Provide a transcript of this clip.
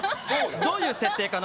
どういう設定かな？